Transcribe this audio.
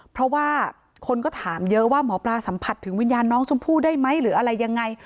เพราะว่าคนก็ถามเยอะว่าหมอปลาสัมผัสถึงวิญญาณน้องชมพู่ได้ไหมหรืออะไรยังไง